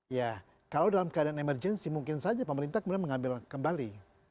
ya kalau dalam keadaan emergensi mungkin saja pemerintah kemudian mengambil kembali